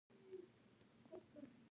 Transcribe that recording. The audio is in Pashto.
زلزله د لارو د بندیدو سبب هم کیږي.